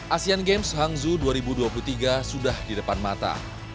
asean games hangzhou dua ribu dua puluh tiga sudah di depan mata